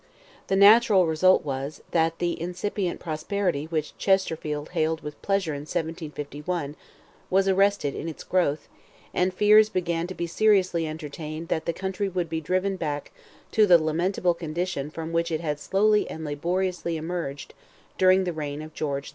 The natural result was, that that incipient prosperity which Chesterfield hailed with pleasure in 1751, was arrested in its growth, and fears began to be seriously entertained that the country would be driven back to the lamentable condition from which it had slowly and laboriously emerged during the reign of George II.